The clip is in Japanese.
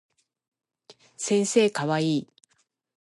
先生かわいい